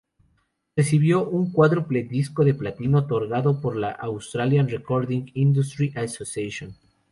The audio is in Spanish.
Recibió un cuádruple disco de platino otorgado por la Australian Recording Industry Association.